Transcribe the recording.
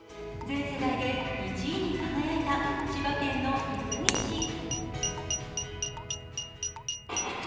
全世代で１位に輝いた千葉県のいすみ市。